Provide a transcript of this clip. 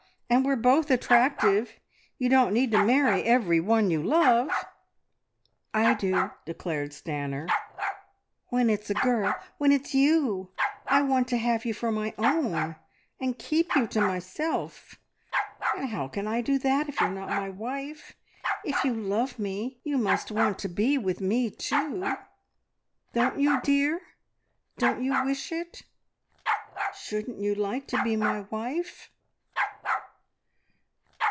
... And we're both attractive. ... You don't need to marry every one you love!" "I do," declared Stanor, "when it's a girl when it's you! I want to have you for my own, and keep you to myself, and how can I do that if you're not my wife? If you love me, you must want to be with me too. Don't you, dear, don't you wish it? Shouldn't you like to be my wife?"